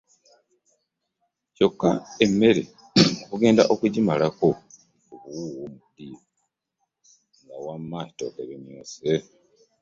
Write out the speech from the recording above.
Kyokka emmere okugenda okugimalako obuwuuwo mu ddiiro nga wamma etooke limyuse.